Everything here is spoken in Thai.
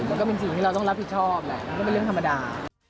ก็เป็นสิ่งที่เราต้องรับผิดชอบแหละมันก็เป็นเรื่องธรรมดา